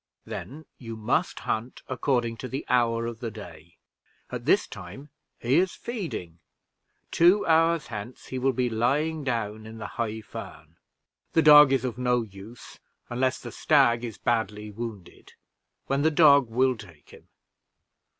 Then you must hunt according to the hour of the day. At this time he is feeding; two hours hence he will be lying down in the high fern. The dog is no use unless the stag is badly wounded, when the dog will take him.